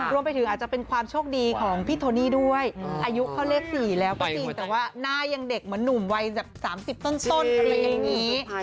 รวมไปถึงอาจจะเป็นความโชคดีของพี่โทนี่ด้วยอายุเขาเลข๔แล้วก็จริงแต่ว่าหน้ายังเด็กเหมือนหนุ่มวัยแบบ๓๐ต้นอะไรอย่างนี้